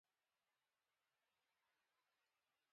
د فساد زېږنده ده.